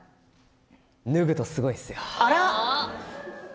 脱ぐとすごいっすよ。